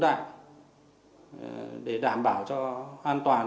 để đảm bảo cho an toàn